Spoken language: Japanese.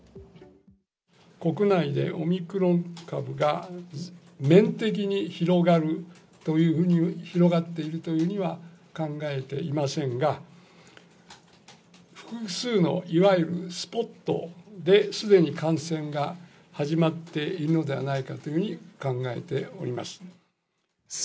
国内でオミクロン株が面的に広がっているというふうには考えていませんが、複数のいわゆるスポットで、すでに感染が始まっているのではないかというふうに考えております